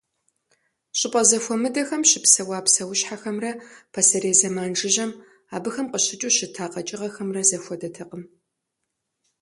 Щӏыпӏэ зэхуэмыдэхэм щыпсэуа псэущхьэхэмрэ пасэрей зэман жыжьэм абыхэм къыщыкӏыу щыта къэкӏыгъэхэмрэ зэхуэдэтэкъым.